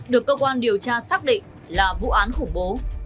được cơ quan điều tra xác định là vụ án khủng bố